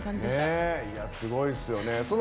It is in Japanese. すごいですよね。